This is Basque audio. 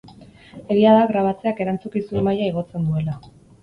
Egia da grabatzeak erantzukizun maila igotzen duela.